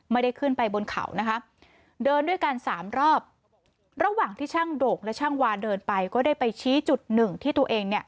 ไม่ได้ขึ้นไปบนเขานะคะเดินด้วยกันสามรอบระหว่างที่ช่างโดกและช่างวาเดินไปก็ได้ไปชี้จุดหนึ่งที่ตัวเองเนี่ย